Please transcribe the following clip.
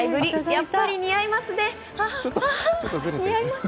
やっぱり似合いますね！